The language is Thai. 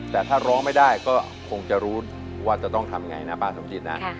แต่ถ้าร้องไม่ได้ก็คงจะรู้ว่าจะต้องทำยังไงนะป้าสมจิตนะ